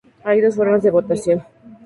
Hay dos formas de votación.